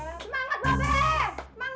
semangat mbak be